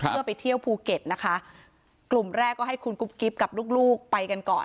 เพื่อไปเที่ยวภูเก็ตนะคะกลุ่มแรกก็ให้คุณกุ๊บกิ๊บกับลูกลูกไปกันก่อน